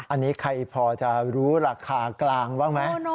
อันนี้ใครพอจะรู้ราคากลางบ้างไหม